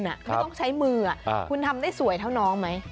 ไม่ต้องใช้มือคุณทำได้สวยเท่าน้องไหม